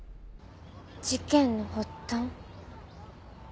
事件の発端。